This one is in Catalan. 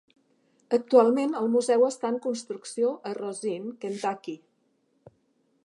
Actualment el museu està en construcció a Rosine, Kentucky.